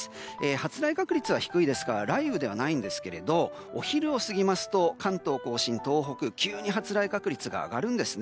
発雷確率は低いですから雷雨ではないんですけどお昼を過ぎますと関東・甲信、東北急に発雷確率が上がるんです。